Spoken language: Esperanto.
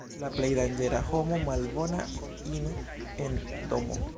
La plej danĝera homo — malbona in' en domo.